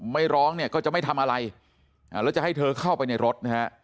ไม่ร้องก็จะไม่ทำอะไรแล้วจะให้เธอเข้าไปในรถ